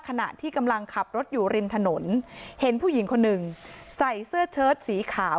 ขณะที่กำลังขับรถอยู่ริมถนนเห็นผู้หญิงคนหนึ่งใส่เสื้อเชิดสีขาว